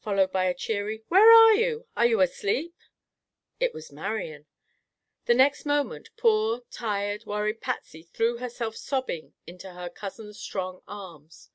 followed by a cheery: "Where are you? Are you asleep?" It was Marian. The next moment poor, tired, worried Patsy threw herself sobbing into her cousin's strong arms.